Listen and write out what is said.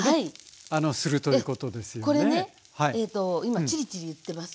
これね今チリチリいってます。